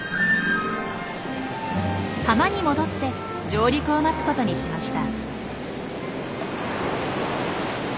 浜に戻って上陸を待つことにしました。